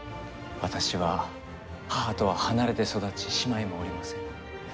私は、母とは離れて育ち姉妹もおりません。